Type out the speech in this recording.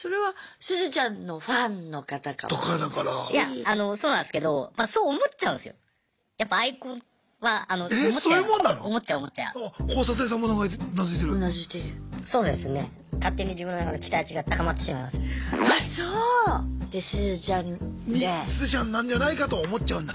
すずちゃんなんじゃないかと思っちゃうんだ？